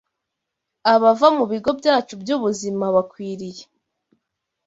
Abava mu bigo byacu by’ubuzima bakwiriye